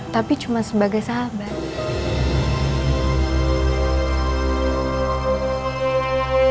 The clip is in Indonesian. tapi cuma sebagai sahabat